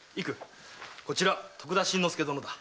こちら徳田新之助殿だ。